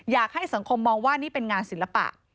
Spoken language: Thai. อยากให้สังคมมองว่านี่เป็นงานศิลปะ